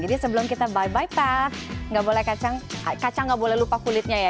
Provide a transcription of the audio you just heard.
jadi sebelum kita bye bye pad kacang gak boleh lupa kulitnya ya